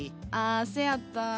あせやった。